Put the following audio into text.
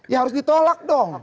ya harus ditolak dong